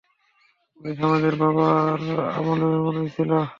Police আমাদের বাবার আমলেও এমনই ছিল।